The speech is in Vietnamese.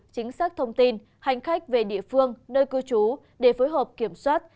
chính xác thông tin hành khách về địa phương nơi cư trú để phối hợp kiểm soát